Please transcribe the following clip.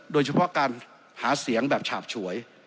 โดยเฉพาะการหาเสียงแบบฉาบฉวย